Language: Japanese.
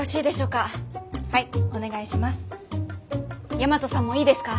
大和さんもいいですか？